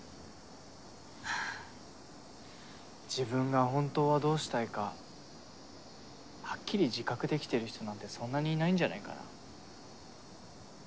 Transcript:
自分が本当はどうしたいかはっきり自覚できてる人なんてそんなにいないんじゃないかな？